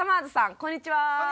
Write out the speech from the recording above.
こんにちは。